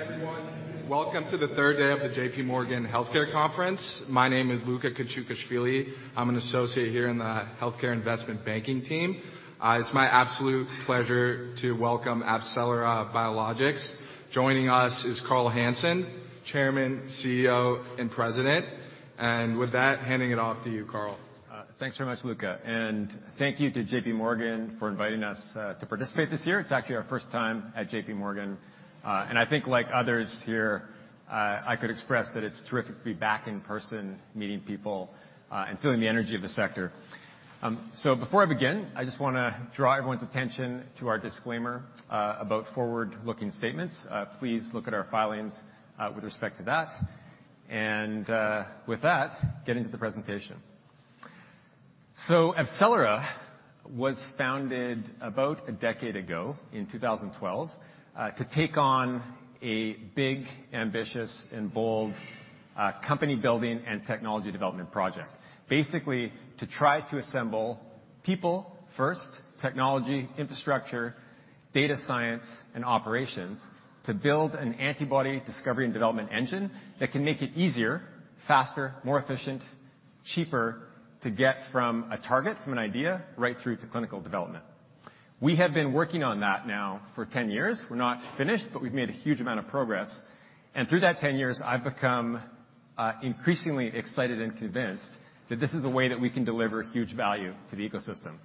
Hi, everyone. Welcome to the third day of the J.P. Morgan Healthcare Conference. My name is Luka Kachukashvili. I'm an associate here in the healthcare investment banking team. It's my absolute pleasure to welcome AbCellera Biologics. Joining us is Carl Hansen, Chairman, CEO, and President. With that, handing it off to you, Carl. Thanks very much, Luka. Thank you to JPMorgan for inviting us to participate this year. It's actually our first time at JPMorgan. I think like others here, I could express that it's terrific to be back in person meeting people and feeling the energy of the sector. Before I begin, I just wanna draw everyone's attention to our disclaimer about forward-looking statements. Please look at our filings with respect to that. With that, get into the presentation. AbCellera was founded about a decade ago in 2012 to take on a big, ambitious, and bold company-building and technology development project. Basically, to try to assemble people first, technology, infrastructure, data science, and operations to build an antibody discovery and development engine that can make it easier, faster, more efficient, cheaper to get from a target, from an idea, right through to clinical development. We have been working on that now for 10 years. We're not finished, but we've made a huge amount of progress. Through that 10 years, I've become increasingly excited and convinced that this is the way that we can deliver huge value to the ecosystem.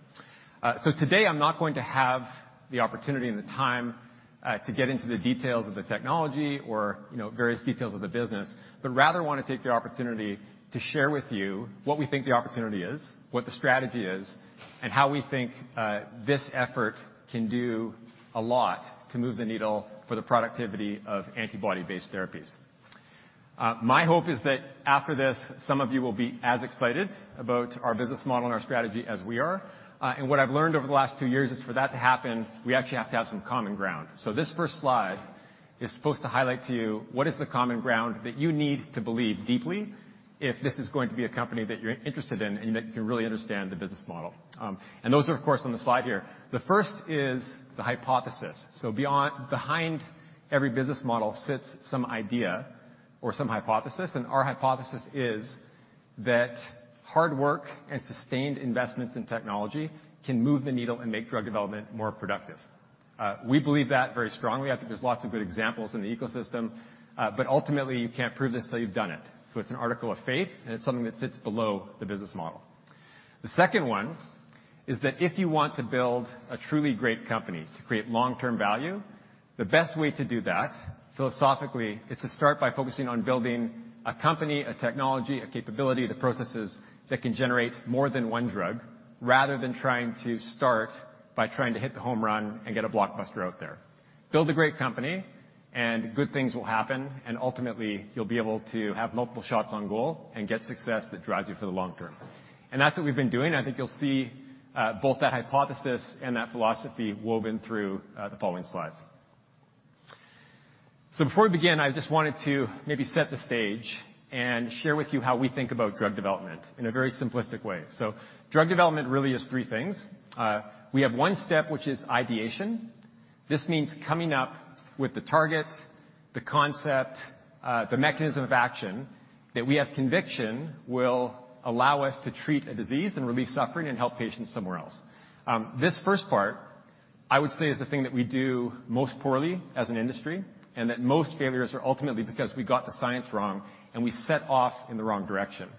Today, I'm not going to have the opportunity and the time to get into the details of the technology or, you know, various details of the business, but rather wanna take the opportunity to share with you what we think the opportunity is, what the strategy is, and how we think this effort can do a lot to move the needle for the productivity of antibody-based therapies. My hope is that after this, some of you will be as excited about our business model and our strategy as we are. What I've learned over the last two years is for that to happen, we actually have to have some common ground. This first slide is supposed to highlight to you what is the common ground that you need to believe deeply if this is going to be a company that you're interested in and that you can really understand the business model. And those are, of course, on the slide here. The first is the hypothesis. Behind every business model sits some idea or some hypothesis, and our hypothesis is that hard work and sustained investments in technology can move the needle and make drug development more productive. We believe that very strongly. I think there's lots of good examples in the ecosystem, but ultimately, you can't prove this till you've done it. It's an article of faith, and it's something that sits below the business model. The second one is that if you want to build a truly great company to create long-term value, the best way to do that philosophically is to start by focusing on building a company, a technology, a capability, the processes that can generate more than one drug, rather than trying to start by trying to hit the home run and get a blockbuster out there. Build a great company and good things will happen, and ultimately, you'll be able to have multiple shots on goal and get success that drives you for the long term. That's what we've been doing. I think you'll see, both that hypothesis and that philosophy woven through, the following slides. Before we begin, I just wanted to maybe set the stage and share with you how we think about drug development in a very simplistic way. Drug development really is three things. We have one step, which is ideation. This means coming up with the target, the concept, the mechanism of action that we have conviction will allow us to treat a disease and relieve suffering and help patients somewhere else. This first part, I would say, is the thing that we do most poorly as an industry, and that most failures are ultimately because we got the science wrong, and we set off in the wrong direction.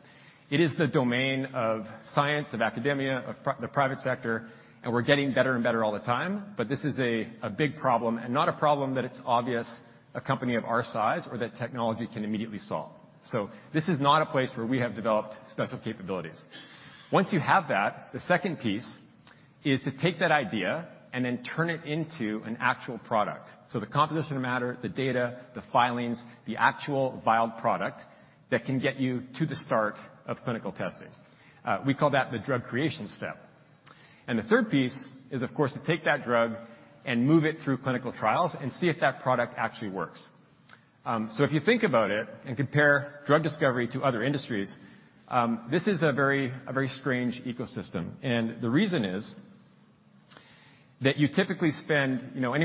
It is the domain of science, of academia, of the private sector. We're getting better and better all the time, but this is a big problem and not a problem that it's obvious a company of our size or that technology can immediately solve. This is not a place where we have developed special capabilities. Once you have that, the second piece is to take that idea and then turn it into an actual product. The composition of matter, the data, the filings, the actual vial product that can get you to the start of clinical testing. We call that the drug creation step. The third piece is, of course, to take that drug and move it through clinical trials and see if that product actually works. If you think about it and compare drug discovery to other industries, this is a very strange ecosystem. The reason is that you typically spend, you know, a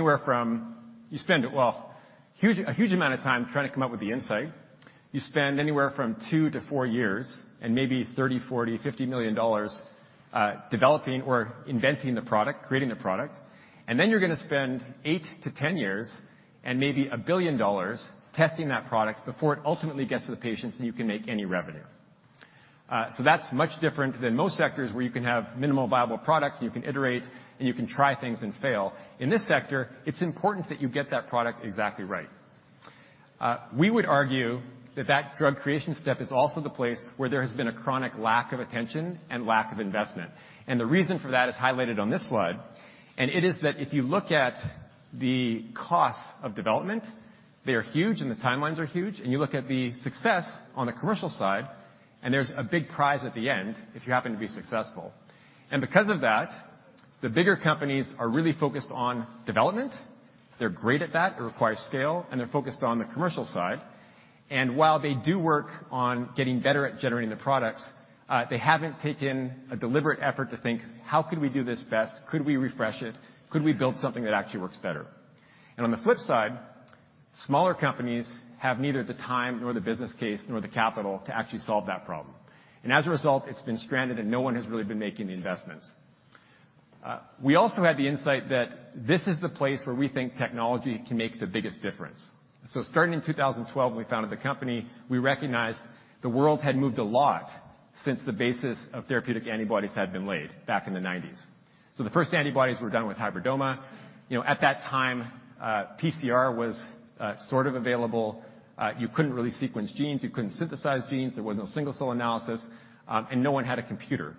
huge amount of time trying to come up with the insight. You spend anywhere from two-four years and maybe $30 million, $40 million, $50 million developing or inventing the product, creating the product. You're going to spend 8-10 years and maybe $1 billion testing that product before it ultimately gets to the patients and you can make any revenue. That's much different than most sectors where you can have minimal viable products, and you can iterate, and you can try things and fail. In this sector, it's important that you get that product exactly right. We would argue that that drug creation step is also the place where there has been a chronic lack of attention and lack of investment. The reason for that is highlighted on this slide, and it is that if you look at the costs of development, they are huge and the timelines are huge, and you look at the success on the commercial side, and there's a big prize at the end if you happen to be successful. Because of that, the bigger companies are really focused on development. They're great at that. It requires scale, and they're focused on the commercial side. While they do work on getting better at generating the products, they haven't taken a deliberate effort to think, "How could we do this best? Could we refresh it? Could we build something that actually works better?" On the flip side, smaller companies have neither the time nor the business case, nor the capital to actually solve that problem. As a result, it's been stranded, and no one has really been making the investments. We also had the insight that this is the place where we think technology can make the biggest difference. Starting in 2012, when we founded the company, we recognized the world had moved a lot since the basis of therapeutic antibodies had been laid back in the 90s. The first antibodies were done with hybridoma. You know, at that time, PCR was sort of available. You couldn't really sequence genes, you couldn't synthesize genes, there was no single-cell analysis, and no one had a computer.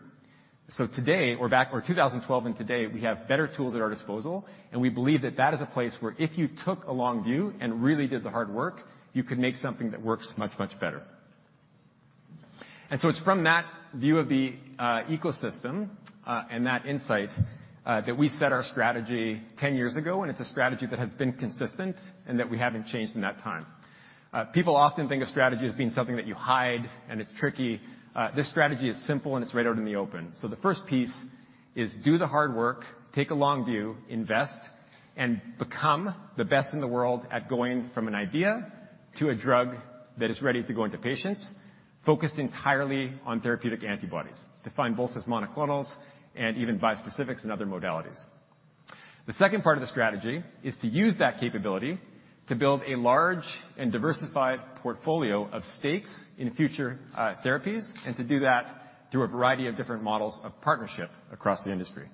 Today or 2012 and today, we have better tools at our disposal, and we believe that that is a place where if you took a long view and really did the hard work, you could make something that works much, much better. It's from that view of the ecosystem and that insight that we set our strategy 10 years ago, and it's a strategy that has been consistent and that we haven't changed in that time. People often think of strategy as being something that you hide, and it's tricky. This strategy is simple, and it's right out in the open. The first piece is do the hard work, take a long view, invest, and become the best in the world at going from an idea to a drug that is ready to go into patients, focused entirely on therapeutic antibodies, defined both as monoclonals and even bispecifics and other modalities. The second part of the strategy is to use that capability to build a large and diversified portfolio of stakes in future therapies, and to do that through a variety of different models of partnership across the industry.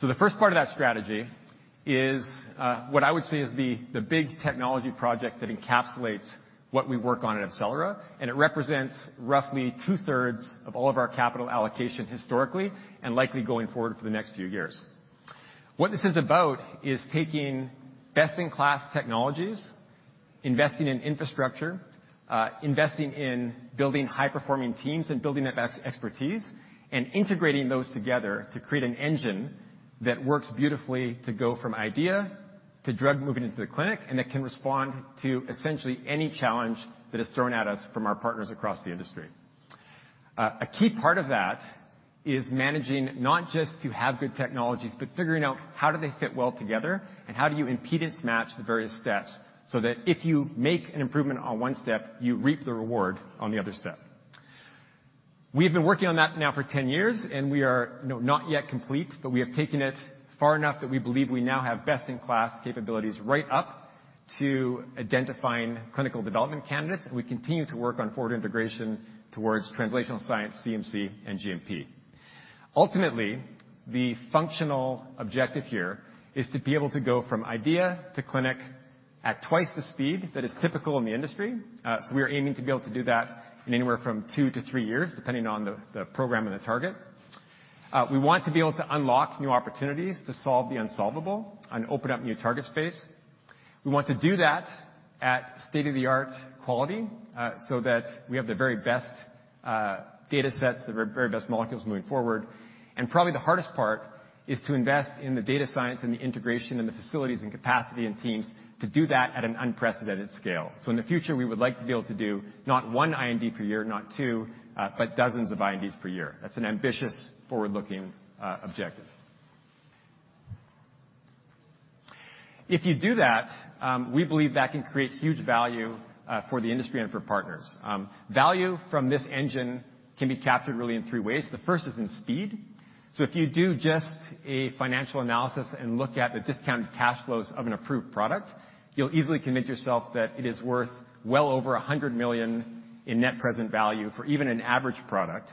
The first part of that strategy is what I would say is the big technology project that encapsulates what we work on at AbCellera, and it represents roughly two-thirds of all of our capital allocation historically and likely going forward for the next few years. What this is about is taking best-in-class technologies, investing in infrastructure, investing in building high-performing teams and building up ex-expertise, and integrating those together to create an engine that works beautifully to go from idea to drug moving into the clinic, and that can respond to essentially any challenge that is thrown at us from our partners across the industry. A key part of that is managing not just to have good technologies, but figuring out how do they fit well together, and how do you impedance match the various steps so that if you make an improvement on one step, you reap the reward on the other step. We have been working on that now for 10 years, and we are, you know, not yet complete, but we have taken it far enough that we believe we now have best-in-class capabilities right up to identifying clinical development candidates, and we continue to work on forward integration towards translational science, CMC, and GMP. Ultimately, the functional objective here is to be able to go from idea to clinic at twice the speed that is typical in the industry. We are aiming to be able to do that in anywhere from two-three years, depending on the program and the target. We want to be able to unlock new opportunities to solve the unsolvable and open up new target space. We want to do that at state-of-the-art quality, so that we have the very best datasets, the very best molecules moving forward. Probably the hardest part is to invest in the data science and the integration and the facilities and capacity and teams to do that at an unprecedented scale. In the future, we would like to be able to do not 1 IND per year, not two, but dozens of INDs per year. That's an ambitious forward-looking objective. If you do that, we believe that can create huge value for the industry and for partners. Value from this engine can be captured really in three ways. The first is in speed. If you do just a financial analysis and look at the discounted cash flows of an approved product, you'll easily convince yourself that it is worth well over $100 million in net present value for even an average product,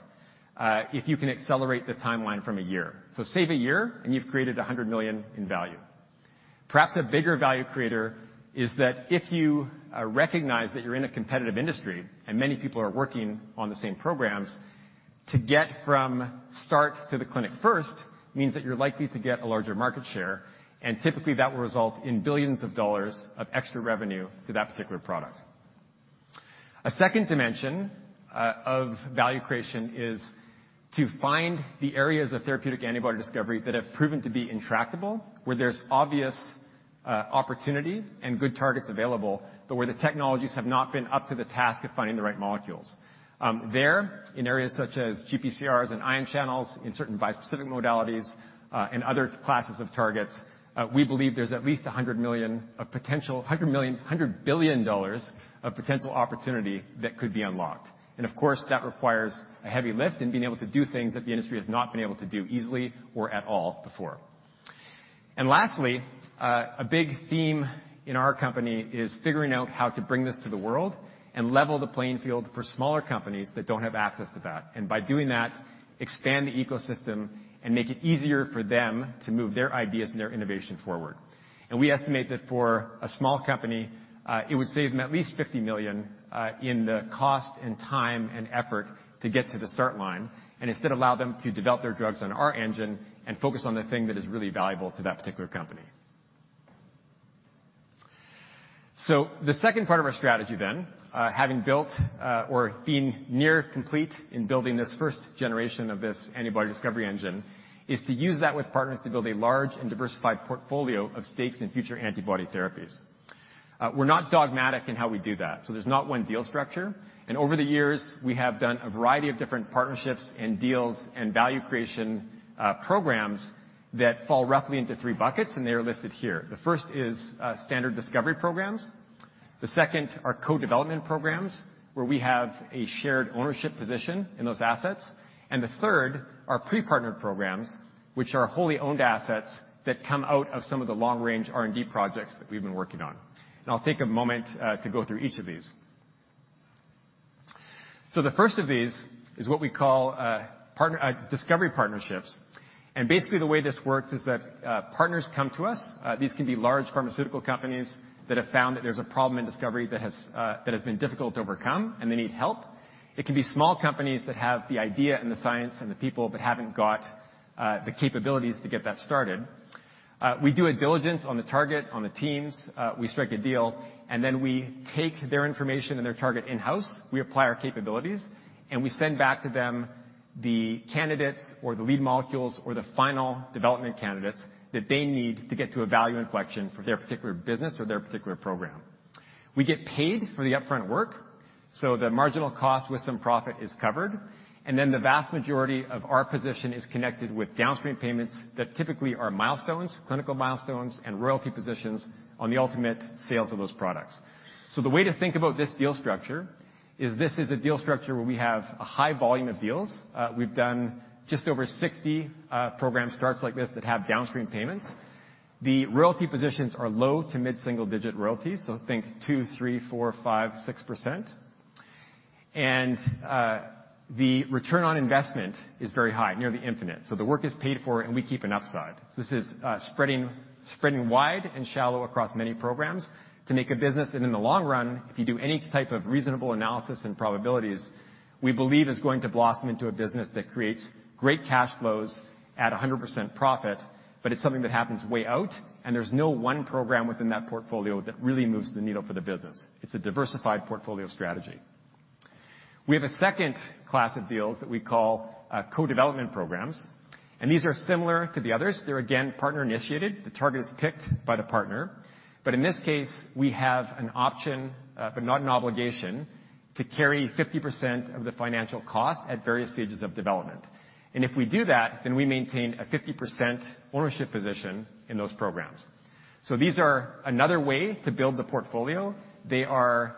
if you can accelerate the timeline from a year. Save a year, and you've created $100 million in value. Perhaps a bigger value creator is that if you recognize that you're in a competitive industry and many people are working on the same programs, to get from start to the clinic first means that you're likely to get a larger market share, and typically, that will result in billions of dollars of extra revenue to that particular product. A second dimension, of value creation is to find the areas of therapeutic antibody discovery that have proven to be intractable, where there's obvious, opportunity and good targets available, but where the technologies have not been up to the task of finding the right molecules. There, in areas such as GPCRs and ion channels, in certain bispecific modalities, and other classes of targets, we believe there's at least $100 billion of potential opportunity that could be unlocked. Of course, that requires a heavy lift in being able to do things that the industry has not been able to do easily or at all before. Lastly, a big theme in our company is figuring out how to bring this to the world and level the playing field for smaller companies that don't have access to that. By doing that, expand the ecosystem and make it easier for them to move their ideas and their innovation forward. We estimate that for a small company, it would save them at least $50 million in the cost and time and effort to get to the start line, and instead allow them to develop their drugs on our engine and focus on the thing that is really valuable to that particular company. The second part of our strategy then, having built, or being near complete in building this first generation of this antibody discovery engine, is to use that with partners to build a large and diversified portfolio of stakes in future antibody therapies. We're not dogmatic in how we do that, so there's not one deal structure. Over the years, we have done a variety of different partnerships and deals and value creation programs that fall roughly into three buckets, and they are listed here. The first is standard discovery programs. The second are co-development programs, where we have a shared ownership position in those assets. The third are pre-partnered programs, which are wholly owned assets that come out of some of the long-range R&D projects that we've been working on. I'll take a moment to go through each of these. The first of these is what we call discovery partnerships. Basically, the way this works is that partners come to us. These can be large pharmaceutical companies that have found that there's a problem in discovery that has been difficult to overcome and they need help. It can be small companies that have the idea and the science and the people, but haven't got the capabilities to get that started. We do a diligence on the target, on the teams, we strike a deal, and then we take their information and their target in-house, we apply our capabilities, and we send back to them the candidates or the lead molecules or the final development candidates that they need to get to a value inflection for their particular business or their particular program. We get paid for the upfront work, so the marginal cost with some profit is covered, and then the vast majority of our position is connected with downstream payments that typically are milestones, clinical milestones, and royalty positions on the ultimate sales of those products. The way to think about this deal structure is this is a deal structure where we have a high volume of deals. We've done just over 60 program starts like this that have downstream payments. The royalty positions are low to mid-single digit royalties, so think 2%, 3%, 4%, 5%, 6%. The return on investment is very high, near the infinite. The work is paid for, and we keep an upside. This is spreading wide and shallow across many programs to make a business. In the long run, if you do any type of reasonable analysis and probabilities, we believe is going to blossom into a business that creates great cash flows at a 100% profit, but it's something that happens way out, and there's no one program within that portfolio that really moves the needle for the business. It's a diversified portfolio strategy. We have a second class of deals that we call co-development programs, and these are similar to the others. They're, again, partner-initiated. The target is picked by the partner. In this case, we have an option, but not an obligation to carry 50% of the financial cost at various stages of development. If we do that, then we maintain a 50% ownership position in those programs. These are another way to build the portfolio. They are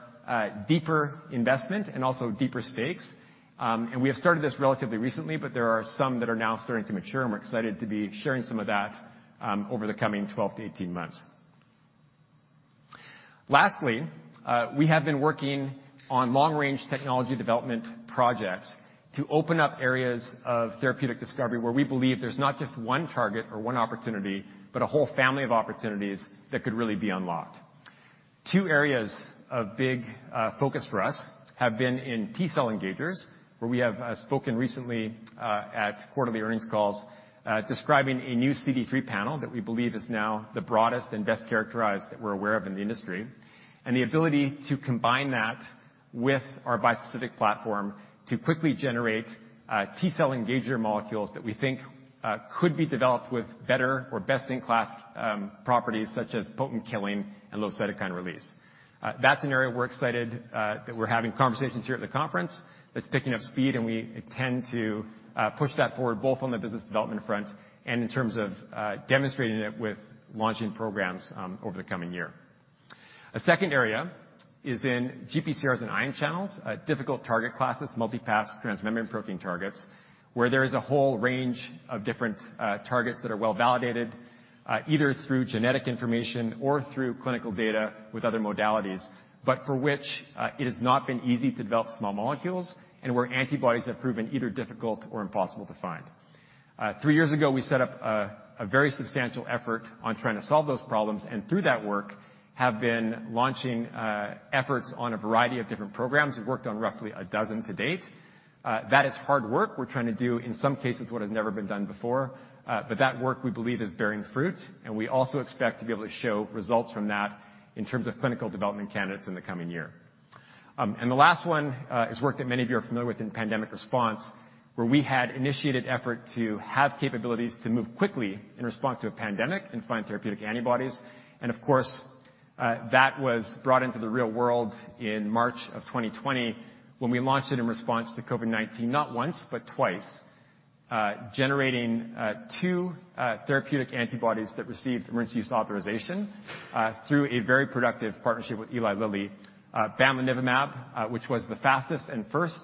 deeper investment and also deeper stakes. We have started this relatively recently, but there are some that are now starting to mature, and we're excited to be sharing some of that, over the coming 12 to 18 months. Lastly, we have been working on long-range technology development projects to open up areas of therapeutic discovery where we believe there's not just one target or one opportunity, but a whole family of opportunities that could really be unlocked. Two areas of big focus for us have been in T-cell engagers, where we have spoken recently, at quarterly earnings calls, describing a new CD3 panel that we believe is now the broadest and best characterized that we're aware of in the industry. The ability to combine that with our bispecific platform to quickly generate T-cell engager molecules that we think could be developed with better or best-in-class properties such as potent killing and low cytokine release. That's an area we're excited that we're having conversations here at the conference. That's picking up speed, and we intend to push that forward, both on the business development front and in terms of demonstrating it with launching programs over the coming year. A second area is in GPCRs and ion channels, difficult target classes, multipass transmembrane protein targets, where there is a whole range of different, targets that are well-validated, either through genetic information or through clinical data with other modalities, but for which, it has not been easy to develop small molecules and where antibodies have proven either difficult or impossible to find. Three years ago, we set up, a very substantial effort on trying to solve those problems, and through that work, have been launching, efforts on a variety of different programs. We've worked on roughly a dozen to date. That is hard work. We're trying to do, in some cases, what has never been done before. That work, we believe, is bearing fruit, and we also expect to be able to show results from that in terms of clinical development candidates in the coming year. The last one is work that many of you are familiar with in pandemic response, where we had initiated effort to have capabilities to move quickly in response to a pandemic and find therapeutic antibodies. Of course, that was brought into the real world in March of 2020 when we launched it in response to COVID-19, not once, but twice, generating two therapeutic antibodies that received Emergency Use Authorization through a very productive partnership with Eli Lilly. Bamlanivimab, which was the fastest and first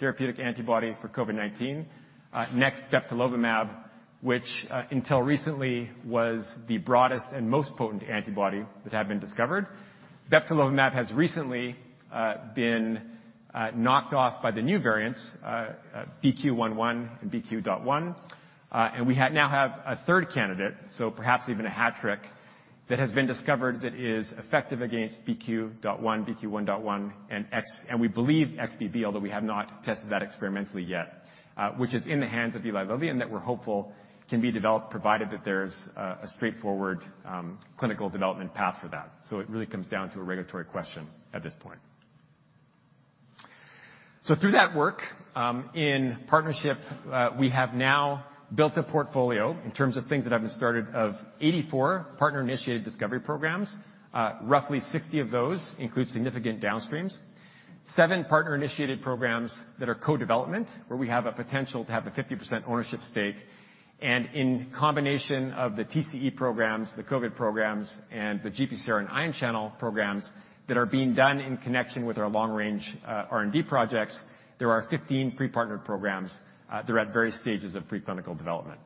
therapeutic antibody for COVID-19. Next bebtelovimab, which, until recently, was the broadest and most potent antibody that had been discovered. Bebtelovimab has recently been knocked off by the new variants, BQ.1.1 and BQ.1. We now have a third candidate, so perhaps even a hat trick, that has been discovered that is effective against BQ.1, BQ.1.1, and XBB, although we have not tested that experimentally yet, which is in the hands of Eli Lilly and that we're hopeful can be developed provided that there's a straightforward clinical development path for that. It really comes down to a regulatory question at this point. Through that work, in partnership, we have now built a portfolio in terms of things that have been started of 84 partner-initiated discovery programs. Roughly 60 of those include significant downstreams. Seven partner-initiated programs that are co-development, where we have a potential to have a 50% ownership stake. In combination of the TCE programs, the COVID programs, and the GPCR and ion channel programs that are being done in connection with our long-range R&D projects, there are 15 pre-partnered programs that are at various stages of pre-clinical development.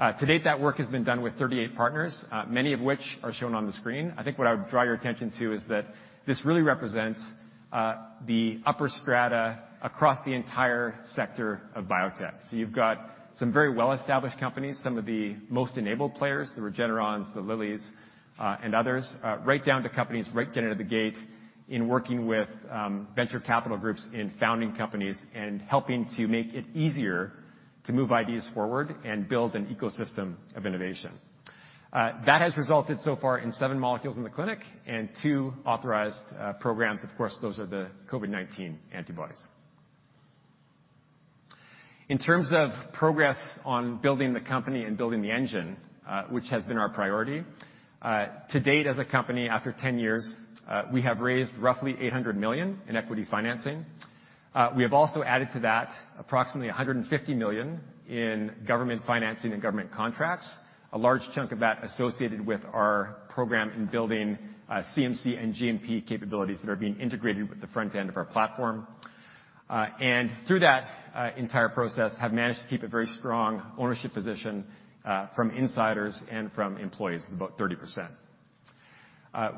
To date, that work has been done with 38 partners, many of which are shown on the screen. I think what I would draw your attention to is that this really represents the upper strata across the entire sector of biotech. You've got some very well-established companies, some of the most enabled players, the Regenerons, the Lilies, and others, right down to companies right getting out of the gate in working with venture capital groups in founding companies and helping to make it easier to move ideas forward and build an ecosystem of innovation. That has resulted so far in seven molecules in the clinic and two authorized programs. Of course, those are the COVID-19 antibodies. In terms of progress on building the company and building the engine, which has been our priority to date, as a company, after 10 years, we have raised roughly $800 million in equity financing. We have also added to that approximately $150 million in government financing and government contracts, a large chunk of that associated with our program in building CMC and GMP capabilities that are being integrated with the front end of our platform. Through that entire process, have managed to keep a very strong ownership position from insiders and from employees, about 30%.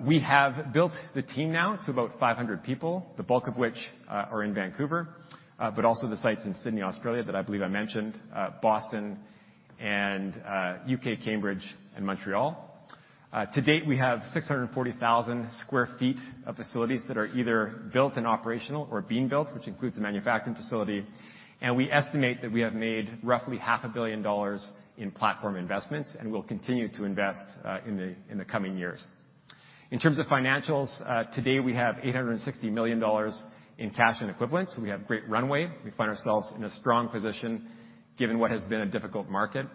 We have built the team now to about 500 people, the bulk of which are in Vancouver, but also the sites in Sydney, Australia, that I believe I mentioned, Boston and UK, Cambridge and Montreal. To date, we have 640,000 sq ft of facilities that are either built and operational or being built, which includes the manufacturing facility. We estimate that we have made roughly half a billion dollars in platform investments and will continue to invest in the coming years. In terms of financials, to date, we have $860 million in cash and equivalents. We have great runway. We find ourselves in a strong position given what has been a difficult market.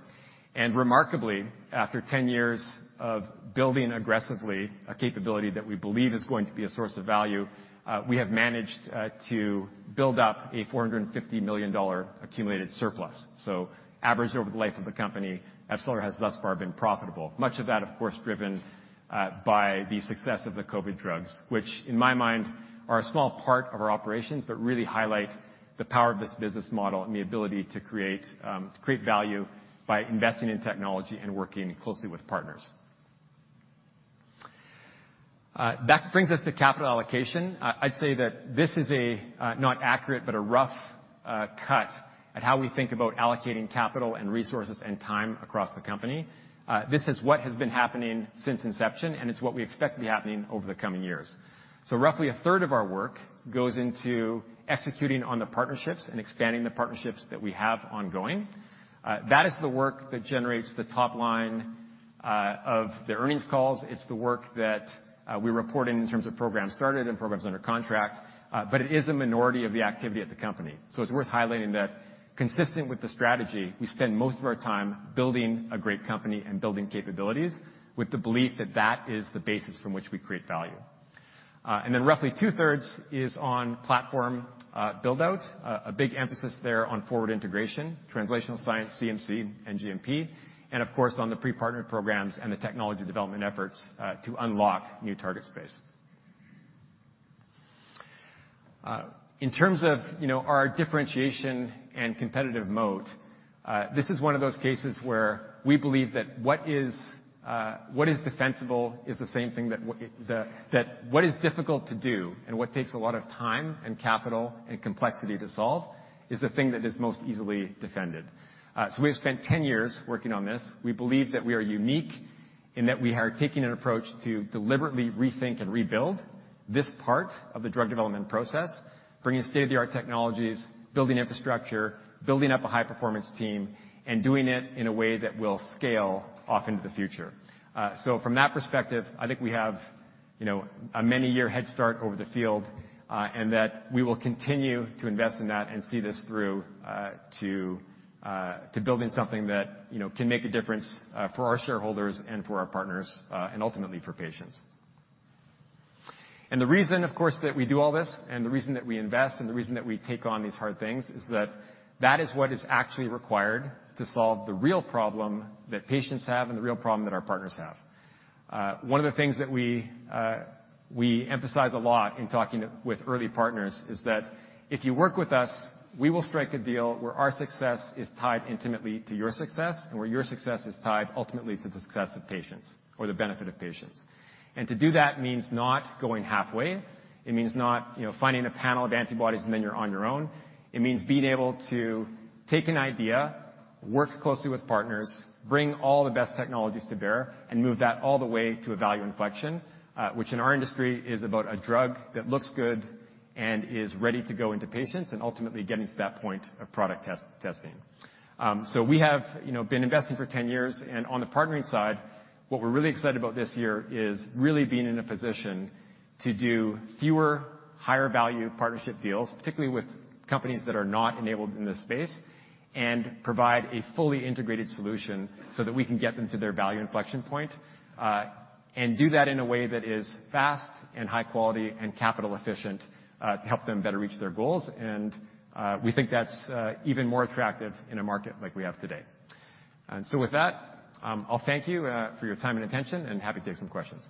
Remarkably, after 10 years of building aggressively a capability that we believe is going to be a source of value, we have managed to build up a $450 million accumulated surplus. Averaged over the life of the company, AbCellera has thus far been profitable. Much of that, of course, driven by the success of the COVID drugs, which, in my mind, are a small part of our operations, but really highlight the power of this business model and the ability to create value by investing in technology and working closely with partners. That brings us to capital allocation. I'd say that this is a not accurate, but a rough cut at how we think about allocating capital and resources and time across the company. This is what has been happening since inception, and it's what we expect to be happening over the coming years. Roughly a third of our work goes into executing on the partnerships and expanding the partnerships that we have ongoing. That is the work that generates the top line of the earnings calls. It's the work that, we report in terms of programs started and programs under contract, but it is a minority of the activity at the company. It's worth highlighting that consistent with the strategy, we spend most of our time building a great company and building capabilities with the belief that that is the basis from which we create value. Then roughly two-thirds is on platform, build-out. A big emphasis there on forward integration, translational science, CMC, and GMP, and of course, on the pre-partnered programs and the technology development efforts, to unlock new target space. In terms of, you know, our differentiation and competitive moat, this is one of those cases where we believe that what is, what is defensible is the same thing that what is difficult to do and what takes a lot of time and capital and complexity to solve is the thing that is most easily defended. We have spent 10 years working on this. We believe that we are unique in that we are taking an approach to deliberately rethink and rebuild this part of the drug development process, bringing state-of-the-art technologies, building infrastructure, building up a high-performance team, and doing it in a way that will scale off into the future. From that perspective, I think we have, you know, a many-year head start over the field, and that we will continue to invest in that and see this through, to building something that, you know, can make a difference for our shareholders and for our partners, and ultimately for patients. The reason, of course, that we do all this and the reason that we invest and the reason that we take on these hard things is that that is what is actually required to solve the real problem that patients have and the real problem that our partners have. One of the things that we emphasize a lot in talking with early partners is that if you work with us, we will strike a deal where our success is tied intimately to your success and where your success is tied ultimately to the success of patients or the benefit of patients. To do that means not going halfway. It means not, you know, finding a panel of antibodies, and then you're on your own. It means being able to take an idea, work closely with partners, bring all the best technologies to bear, and move that all the way to a value inflection, which in our industry is about a drug that looks good and is ready to go into patients and ultimately getting to that point of product test-testing. We have, you know, been investing for 10 years. On the partnering side, what we're really excited about this year is really being in a position to do fewer, higher value partnership deals, particularly with companies that are not enabled in this space, and provide a fully integrated solution so that we can get them to their value inflection point, and do that in a way that is fast and high quality and capital efficient, to help them better reach their goals. We think that's even more attractive in a market like we have today. With that, I'll thank you for your time and attention, and happy to take some questions.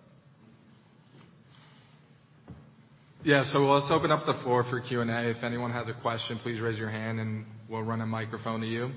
Yeah. Let's open up the floor for Q&A. If anyone has a question, please raise your hand and we'll run a microphone to you.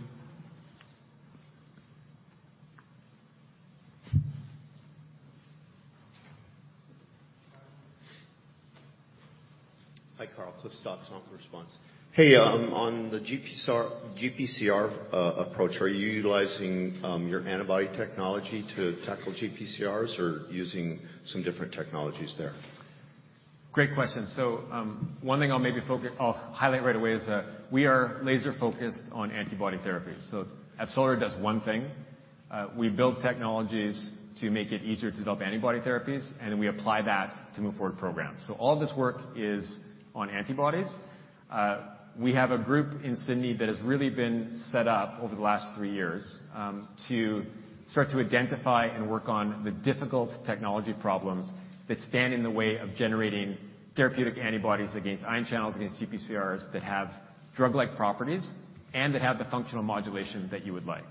Hi, Carl. Cliff Stocks, OncoResponse. Hey, on the GPCR approach, are you utilizing your antibody technology to tackle GPCRs or using some different technologies there? Great question. One thing I'll highlight right away is that we are laser-focused on antibody therapies. AbCellera does one thing. We build technologies to make it easier to develop antibody therapies, and then we apply that to move forward programs. All this work is on antibodies. We have a group in Sydney that has really been set up over the last 3 years to start to identify and work on the difficult technology problems that stand in the way of generating therapeutic antibodies against ion channels, against GPCRs that have drug-like properties and that have the functional modulation that you would like.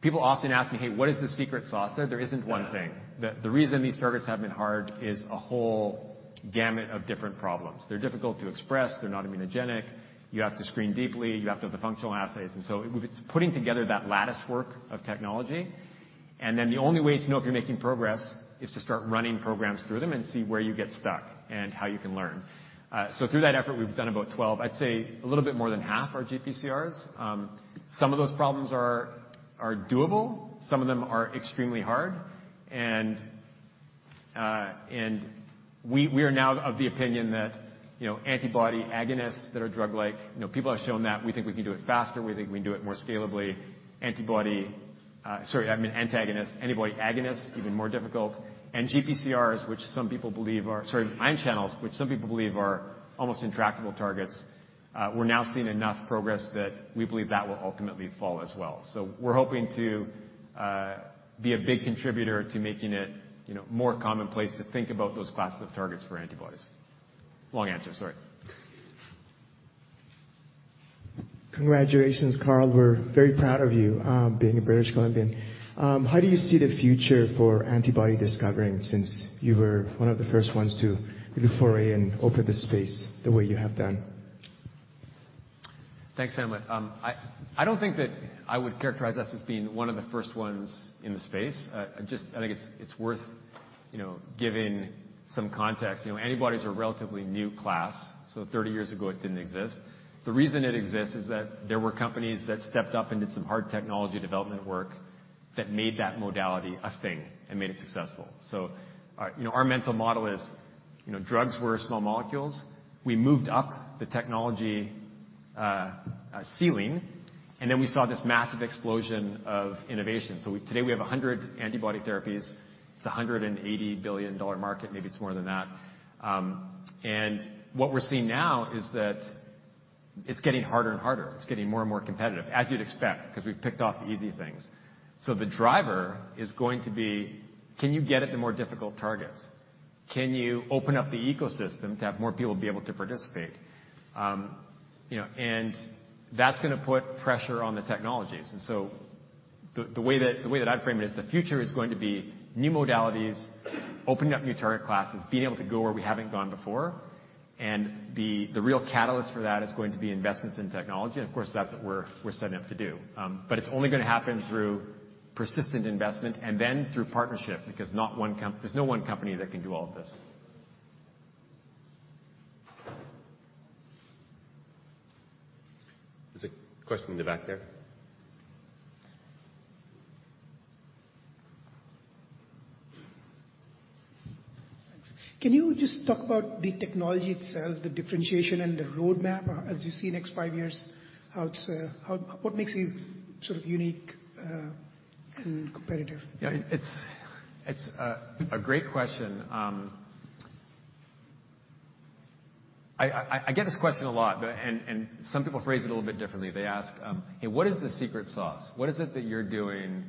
People often ask me, "Hey, what is the secret sauce there?" There isn't one thing. The reason these targets have been hard is a whole gamut of different problems. They're difficult to express, they're not immunogenic. You have to screen deeply. You have to have the functional assays, it's putting together that lattice work of technology. The only way to know if you're making progress is to start running programs through them and see where you get stuck and how you can learn. Through that effort, we've done about 12, I'd say a little bit more than half are GPCRs. Some of those problems are doable. Some of them are extremely hard. We are now of the opinion that, you know, antibody agonists that are drug-like, you know, people have shown that we think we can do it faster, we think we can do it more scalably. Antibody, sorry, I mean, antagonists. Antibody agonists, even more difficult. GPCRs, which some people believe Sorry, ion channels, which some people believe are almost intractable targets, we're now seeing enough progress that we believe that will ultimately fall as well. We're hoping to be a big contributor to making it, you know, more commonplace to think about those classes of targets for antibodies. Long answer, sorry. Congratulations, Carl. We're very proud of you, being a British Columbian. How do you see the future for antibody discovering since you were one of the first ones to really foray and open the space the way you have done? Thanks, Samuel. I don't think that I would characterize us as being one of the first ones in the space. I think it's worth, you know, giving some context. You know, antibodies are a relatively new class, so 30 years ago it didn't exist. The reason it exists is that there were companies that stepped up and did some hard technology development work that made that modality a thing and made it successful. Our mental model is, you know, drugs were small molecules. We moved up the technology ceiling, and then we saw this massive explosion of innovation. Today, we have 100 antibody therapies. It's a $180 billion market, maybe it's more than that. What we're seeing now is that it's getting harder and harder. It's getting more and more competitive, as you'd expect, 'cause we've picked off the easy things. Can you get at the more difficult targets? Can you open up the ecosystem to have more people be able to participate? You know, that's gonna put pressure on the technologies. The way that I'd frame it is the future is going to be new modalities, opening up new target classes, being able to go where we haven't gone before. The real catalyst for that is going to be investments in technology, and of course, that's what we're setting up to do. It's only gonna happen through persistent investment and then through partnership, because there's no one company that can do all of this. There's a question in the back there. Thanks. Can you just talk about the technology itself, the differentiation and the roadmap as you see next five years? What makes you sort of unique, and competitive? Yeah, it's a great question. I get this question a lot, but... Some people phrase it a little bit differently. They ask, "Hey, what is the secret sauce? What is it that you're doing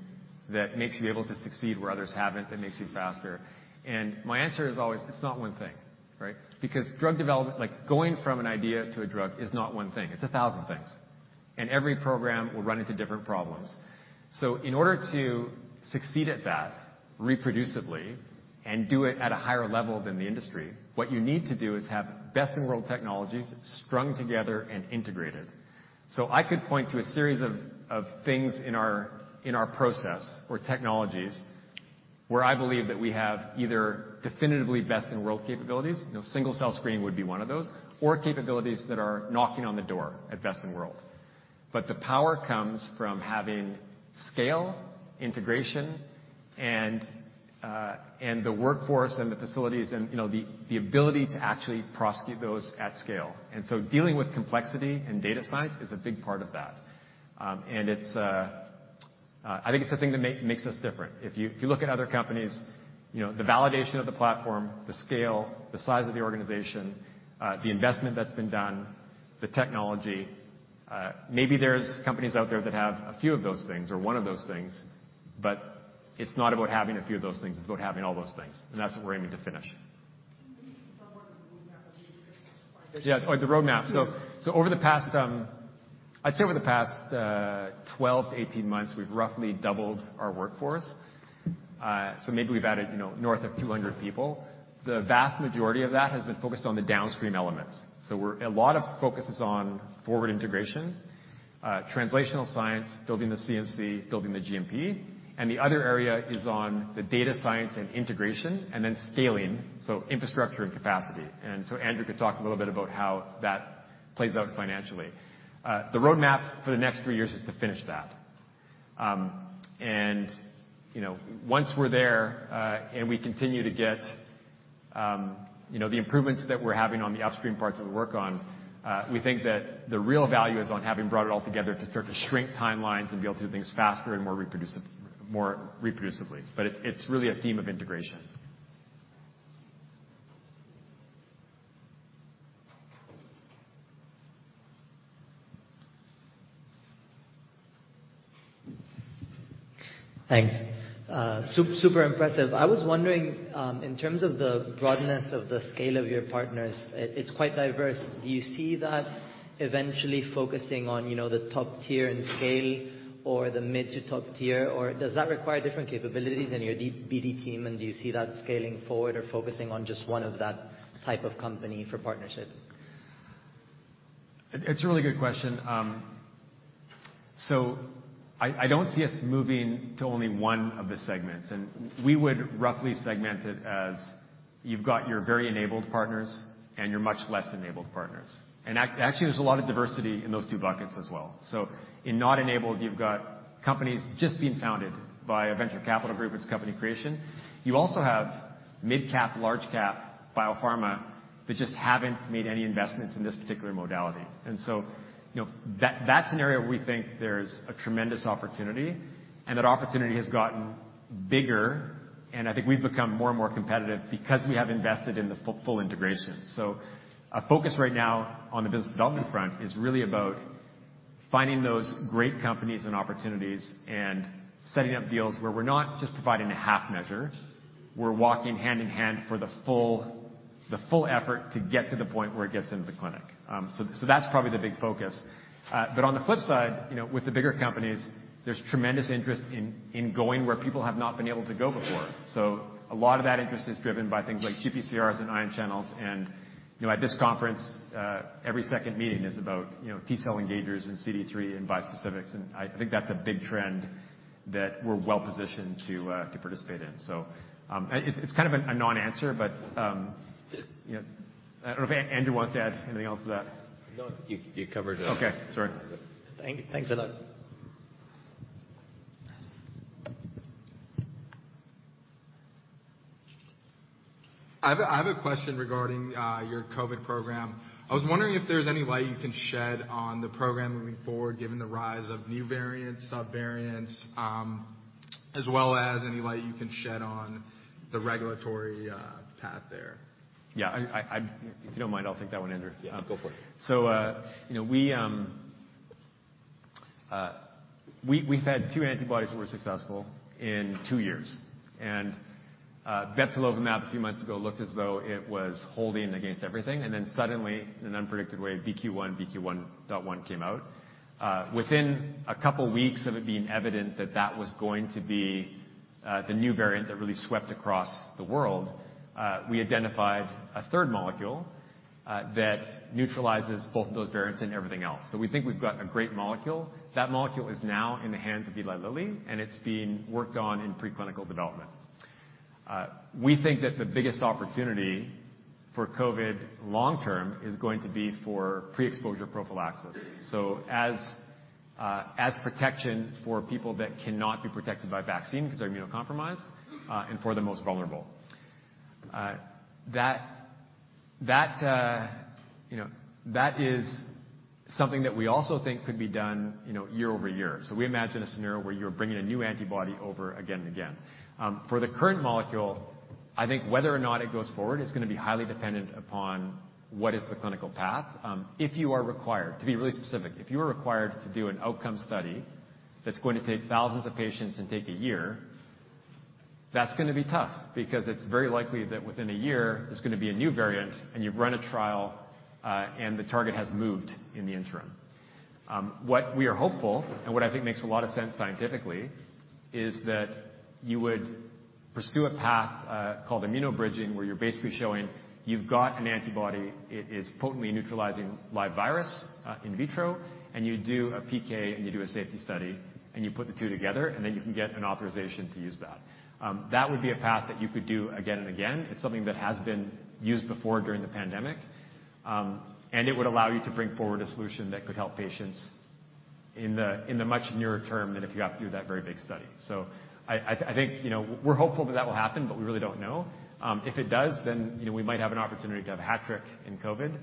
that makes you able to succeed where others haven't, that makes you faster?" My answer is always, "It's not one thing." Right? Going from an idea to a drug is not one thing. It's 1,000 things. Every program will run into different problems. In order to succeed at that reproducibly and do it at a higher level than the industry, what you need to do is have best-in-world technologies strung together and integrated. I could point to a series of things in our, in our process or technologies where I believe that we have either definitively best-in-world capabilities, you know, single-cell screening would be one of those, or capabilities that are knocking on the door at best-in-world. The power comes from having scale, integration and the workforce and the facilities and, you know, the ability to actually prosecute those at scale. Dealing with complexity and data science is a big part of that. It's, I think it's a thing that makes us different. If you look at other companies, you know, the validation of the platform, the scale, the size of the organization, the investment that's been done, the technology, maybe there's companies out there that have a few of those things or one of those things. It's not about having a few of those things, it's about having all those things. That's what we're aiming to finish. Can you maybe talk more to the roadmap of the expansion. Yeah. Oh, the roadmap. Over the past 12-18 months, we've roughly doubled our workforce. Maybe we've added, you know, north of 200 people. The vast majority of that has been focused on the downstream elements. A lot of focus is on forward integration, translational science, building the CMC, building the GMP, and the other area is on the data science and integration and then scaling, so infrastructure and capacity. Andrew could talk a little bit about how that plays out financially. The roadmap for the next three years is to finish that. You know, once we're there, and we continue to get, you know, the improvements that we're having on the upstream parts of the work on, we think that the real value is on having brought it all together to start to shrink timelines and be able to do things faster and more reproducibly. It, it's really a theme of integration. Thanks. Super impressive. I was wondering, in terms of the broadness of the scale of your partners, it's quite diverse. Do you see that eventually focusing on, you know, the top tier in scale or the mid to top tier, or does that require different capabilities in your BD team, and do you see that scaling forward or focusing on just one of that type of company for partnerships? It's a really good question. I don't see us moving to only one of the segments, and we would roughly segment it as you've got your very enabled partners and your much less enabled partners. Actually, there's a lot of diversity in those two buckets as well. In not enabled, you've got companies just being founded by a venture capital group, it's company creation. You also have mid-cap, large-cap biopharma that just haven't made any investments in this particular modality. You know, that's an area where we think there's a tremendous opportunity, and that opportunity has gotten bigger, and I think we've become more and more competitive because we have invested in the full integration. Our focus right now on the business development front is really about finding those great companies and opportunities and setting up deals where we're not just providing a half measure, we're walking hand in hand for the full effort to get to the point where it gets into the clinic. That's probably the big focus. On the flip side, you know, with the bigger companies, there's tremendous interest in going where people have not been able to go before. A lot of that interest is driven by things like GPCRs and ion channels. You know, at this conference, every second meeting is about, you know, T-cell engagers and CD3 and bispecifics, and I think that's a big trend that we're well positioned to participate in. It's kind of a non-answer, you know, I don't know if Andrew wants to add anything else to that. No, you covered. Okay. Sorry. Thanks a lot. I have a question regarding your COVID program. I was wondering if there's any light you can shed on the program moving forward, given the rise of new variants, subvariants, as well as any light you can shed on the regulatory path there. Yeah, I if you don't mind, I'll take that one, Andrew. Yeah, go for it. You know, we've had two antibodies that were successful in two years. Bebtelovimab a few months ago looked as though it was holding against everything, and then suddenly, in an unpredicted way, BQ.1, BQ.1.1 came out. Within a couple weeks of it being evident that that was going to be the new variant that really swept across the world, we identified a third molecule that neutralizes both of those variants and everything else. We think we've got a great molecule. That molecule is now in the hands of Eli Lilly, and it's being worked on in preclinical development. We think that the biggest opportunity for COVID long term is going to be for pre-exposure prophylaxis, so as protection for people that cannot be protected by vaccine because they're immunocompromised and for the most vulnerable. That, you know, that is something that we also think could be done, you know, year-over-year. We imagine a scenario where you're bringing a new antibody over again and again. For the current molecule, I think whether or not it goes forward is gonna be highly dependent upon what is the clinical path. To be really specific, if you are required to do an outcome study that's going to take thousands of patients and take a year, that's gonna be tough because it's very likely that within a year, there's gonna be a new variant, and you've run a trial, and the target has moved in the interim. What we are hopeful and what I think makes a lot of sense scientifically is that you would pursue a path called immunobridging, where you're basically showing you've got an antibody, it is potently neutralizing live virus in vitro, and you do a PK, and you do a safety study, and you put the two together, and then you can get an authorization to use that. That would be a path that you could do again and again. It's something that has been used before during the pandemic. It would allow you to bring forward a solution that could help patients in the, in the much nearer term than if you have to do that very big study. I, I think, you know, we're hopeful that that will happen, but we really don't know. If it does, you know, we might have an opportunity to have a hat trick in COVID.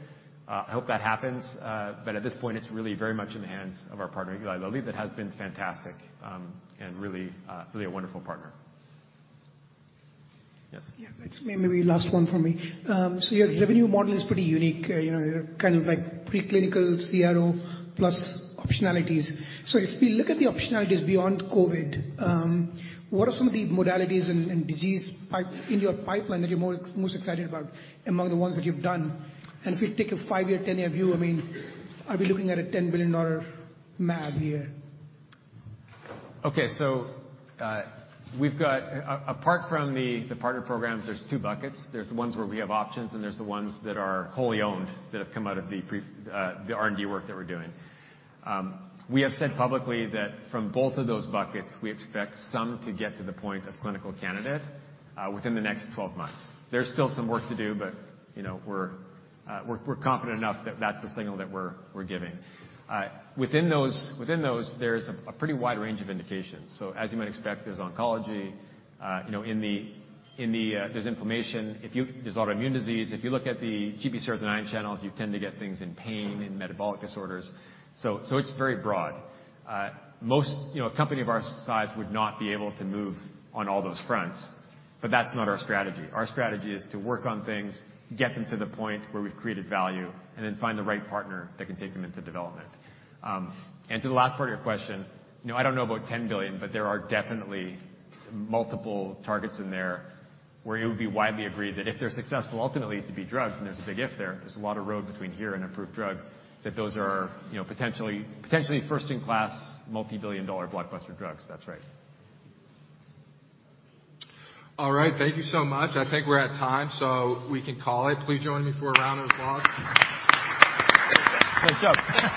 I hope that happens. At this point, it's really very much in the hands of our partner, Eli Lilly, that has been fantastic, and really, really a wonderful partner. Yeah. It's maybe last one for me. Your revenue model is pretty unique. You know, you're kind of like preclinical CRO plus optionalities. If we look at the optionalities beyond COVID, what are some of the modalities and disease in your pipeline that you're most excited about among the ones that you've done? If we take a five-year, 10-year view, I mean, are we looking at a $10 billion market here? Apart from the partner programs, there's two buckets. There's the ones where we have options, and there's the ones that are wholly owned that have come out of the R&D work that we're doing. We have said publicly that from both of those buckets, we expect some to get to the point of clinical candidate within the next 12 months. There's still some work to do, you know, we're confident enough that that's the signal that we're giving. Within those, there's a pretty wide range of indications. As you might expect, there's oncology, you know, there's inflammation. There's autoimmune disease. If you look at the GPCRs and ion channels, you tend to get things in pain, in metabolic disorders. It's very broad. You know, a company of our size would not be able to move on all those fronts, but that's not our strategy. Our strategy is to work on things, get them to the point where we've created value, and then find the right partner that can take them into development. To the last part of your question, you know, I don't know about $10 billion, but there are definitely multiple targets in there where it would be widely agreed that if they're successful, ultimately to be drugs, and there's a big if there's a lot of road between here and approved drug, that those are, you know, potentially first-in-class, multi-billion dollar blockbuster drugs. That's right. All right. Thank you so much. I think we're at time, so we can call it. Please join me for a round of applause. Great job.